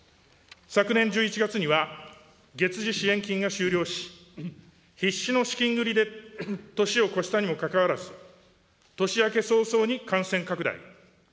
昨年１１月には月次支援金が終了し、必死の資金繰りで年を越したにもかかわらず、年明け早々に感染拡大。